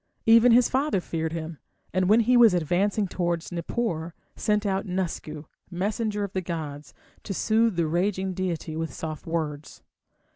Even his father feared him, and when he was advancing towards Nippur, sent out Nusku, messenger of the gods, to soothe the raging deity with soft words.